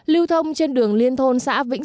lưu thông trên đường liên thôn